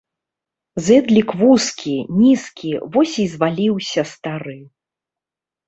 Зэдлік вузкі, нізкі, вось і зваліўся стары.